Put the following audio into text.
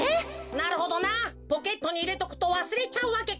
なるほどなポケットにいれとくとわすれちゃうわけか。